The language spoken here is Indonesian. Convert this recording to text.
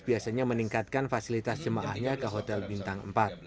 biasanya meningkatkan fasilitas jemaahnya ke hotel bintang empat